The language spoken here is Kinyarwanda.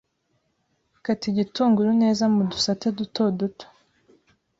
Kata igitunguru neza mudusate duto duto